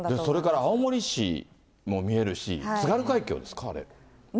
それから青森市も見えるし、津軽海峡ですか、あれ。